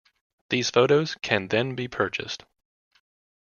These photos can then be purchased.